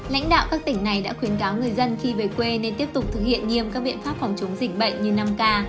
lãnh đạo các tỉnh này đã khuyến cáo người dân khi về quê nên tiếp tục thực hiện nghiêm các biện pháp phòng chống dịch bệnh như năm k